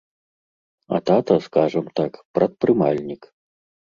А тата, скажам так, прадпрымальнік.